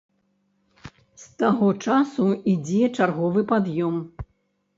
З таго часу ідзе чарговы пад'ём.